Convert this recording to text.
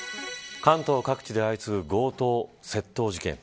関東各地で相次ぐ強盗、窃盗事件。